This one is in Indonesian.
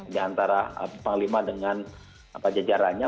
diantara panglima dengan jajarannya